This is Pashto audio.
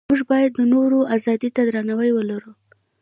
موږ باید د نورو ازادۍ ته درناوی ولرو.